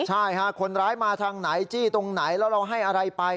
ใช่ค่ะคนร้ายมาทางไหนจี้ตรงไหนแล้วเราให้อะไรไป